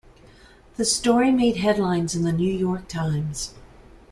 The story made headlines in the "New York Times".